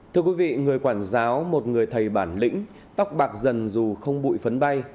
thưa quý vị người quản giáo một người thầy bản lĩnh tóc bạc dần dù không bụi phấn bay